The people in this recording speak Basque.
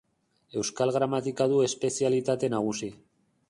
Euskal gramatika du espezialitate nagusi.